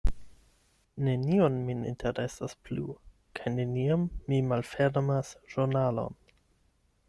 Nenio min interesas plu; kaj neniam mi malfermas ĵurnalon.